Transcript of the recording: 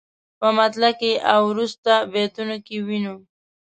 په مطلع کې او وروسته بیتونو کې وینو.